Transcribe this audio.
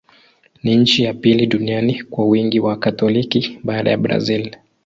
Ni nchi ya pili duniani kwa wingi wa Wakatoliki, baada ya Brazil.